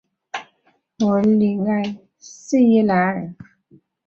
弗尔里埃圣伊莱尔。